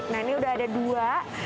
nah ini udah ada dua